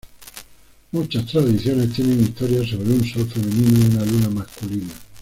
Muchas tradiciones tienen historias sobre un Sol femenino y una Luna masculina.